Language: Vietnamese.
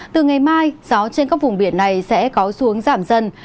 từ ngày mai gió trên các vùng biển này sẽ có xuống giảm dần